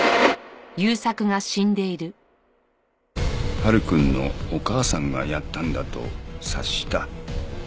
晴くんのお母さんがやったんだと察した。